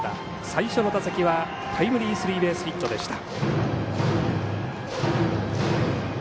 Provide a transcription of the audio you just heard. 最初の打席はタイムリースリーベースヒットでした。